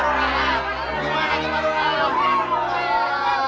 lanjut pak lurah